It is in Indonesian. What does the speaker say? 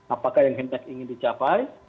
apakah yang hendak ingin dicapai